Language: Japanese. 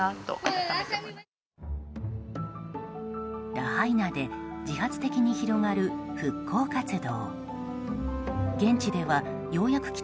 ラハイナで自発的に広がる復興活動。